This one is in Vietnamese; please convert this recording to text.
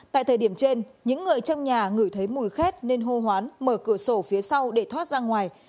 tại thời điểm trên những người trong nhà ngửi thấy mùi khét nên hô hoán mở cửa sổ phía sau để thoát ra ngoài